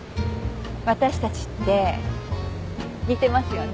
私たちって似てますよね？